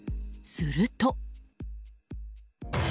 すると。